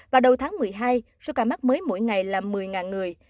và đầu tháng một mươi hai số ca mắc mới mỗi ngày là một mươi người